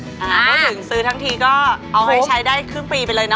พูดถึงซื้อทั้งทีก็เอาให้ใช้ได้ครึ่งปีไปเลยนะ